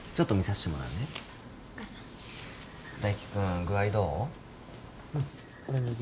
大輝君具合どう？